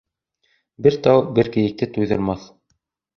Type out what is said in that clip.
Бер тау бер кейекте туйҙырмаҫ.